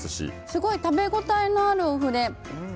すごい食べ応えのあるお麩で。